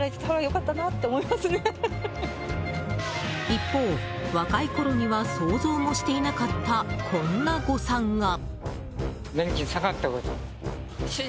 一方、若いころには想像もしていなかったこんな誤算が。